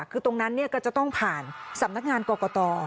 คือตรงนั้นก็จะต้องผ่านสำนักงานกรกต